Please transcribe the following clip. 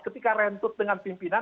ketika rentut dengan pimpinan